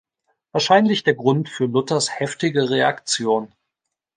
Wahrscheinlich der Grund für Luthers heftige Reaktion.